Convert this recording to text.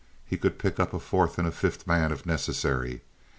He could pick up a fourth and a fifth man if necessary.